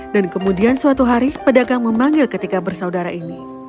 dan kemudian suatu hari pedagang memanggil ketiga bersaudara ini